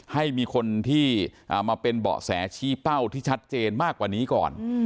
ให้มีคนที่มาเป็นเบาะแสชี้เป้าที่ชัดเจนมากกว่านี้ก่อน